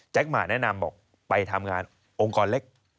หมาแนะนำบอกไปทำงานองค์กรเล็ก